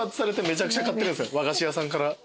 和菓子屋さんから。